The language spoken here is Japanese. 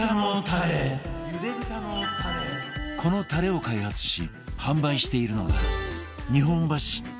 このたれを開発し販売しているのが